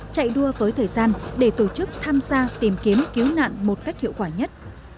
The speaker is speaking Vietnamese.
chạy đua với thời gian để tổ chức tham gia tìm kiếm cứu nạn một cách hiệu quả nhất